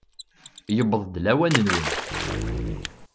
Yewweḍ-d lawan-nwen!